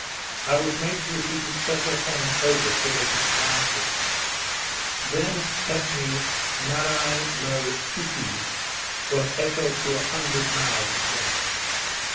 I was made to repeat it several times over till they could pronounce it; then, Stepney Marai no Toote was echoed through an hundred mouths at once.